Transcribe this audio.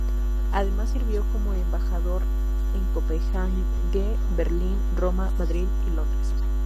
Además, sirvió como embajador en Copenhague, Berlín, Roma, Madrid y Londres.